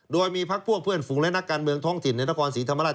โดยมีพักพวกเพื่อนฝูงและนักการเมืองท้องถิ่นในนครศรีธรรมราช